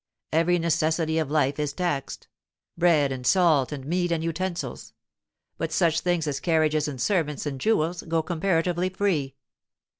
Every necessity of life is taxed—bread and salt and meat and utensils—but such things as carriages and servants and jewels go comparatively free.